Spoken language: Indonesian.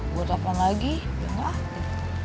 gue telfon lagi dia gak hati